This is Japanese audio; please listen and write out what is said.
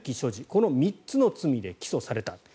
この３つの罪で起訴された。